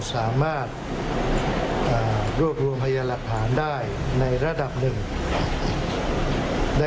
สามารถเปิดเผยอะไรที่เล่นนะครับทุกคน